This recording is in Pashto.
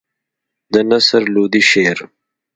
د نصر لودي شعر.